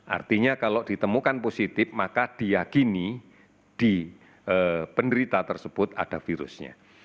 artinya kalau ditemukan positif maka diakini di penderita tersebut ada virusnya